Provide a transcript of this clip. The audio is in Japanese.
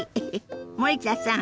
森田さん